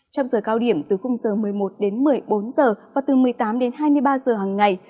trong giờ cao điểm từ khung giờ một mươi một đến một mươi bốn giờ và từ một mươi tám đến hai mươi ba giờ hằng ngày